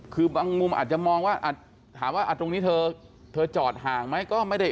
คือบางมุมอาจจะมองว่าถามว่าตรงนี้เธอจอดห่างไหมก็ไม่ได้